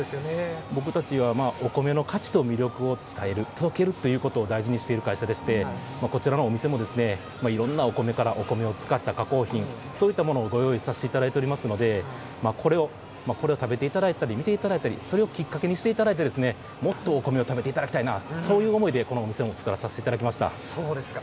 僕たちはお米の価値と魅力を伝える、届けるということを大事にしている会社でして、こちらのお店も、いろんなお米からお米を使った加工品、そういったものをご用意させていただいておりますので、これを食べていただいたり見ていただいたり、それをきっかけにしていただいて、もっとお米を食べていただきたいな、そういう思いでこのお店も作らさせていただきそうですか。